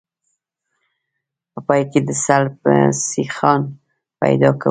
په پای کې د سلب سیخان پیدا کوو